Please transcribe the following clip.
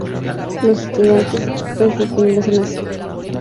Los estudiantes, desde que ingresan a St.